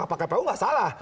pkpu gak salah